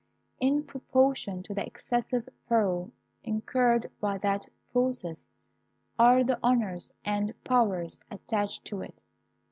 In proportion to the excessive peril incurred by that process, are the honours and powers attached to it.